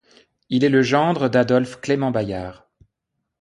Il est le gendre d'Adolphe Clément-Bayard.